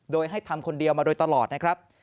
โดยให้ทำคนเดียวมาโดยตลอดนะครับ